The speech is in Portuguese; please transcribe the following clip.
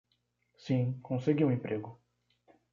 Sim, consegui um emprego.